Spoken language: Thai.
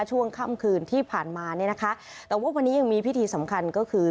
ช่วงค่ำคืนที่ผ่านมาเนี่ยนะคะแต่ว่าวันนี้ยังมีพิธีสำคัญก็คือ